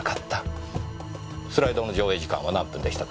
スライドの上映時間は何分でしたか？